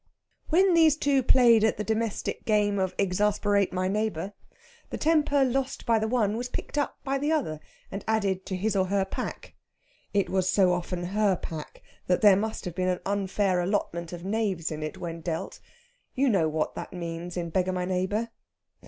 When these two played at the domestic game of exasperate my neighbour, the temper lost by the one was picked up by the other, and added to his or her pack. It was so often her pack that there must have been an unfair allotment of knaves in it when dealt you know what that means in beggar my neighbour?